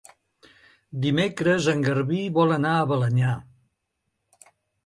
Dimecres en Garbí vol anar a Balenyà.